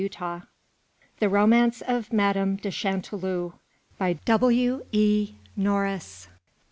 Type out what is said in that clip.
338 THE ROMANCE OF MADAME DE CHANTELOUP. BY W. E. NORBIS.